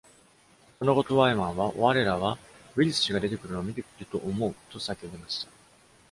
その後、トゥワイマンは、「我らはウィリス氏が出てくるのを見ていると思う！」と叫びました。